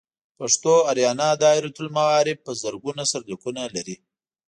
پښتو آریانا دایرة المعارف په زرګونه سرلیکونه لري.